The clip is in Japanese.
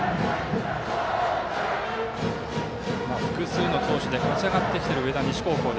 複数の投手で勝ち上がっている上田西高校。